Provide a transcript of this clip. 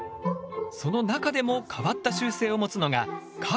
その中でも変わった習性を持つのがカッコウ。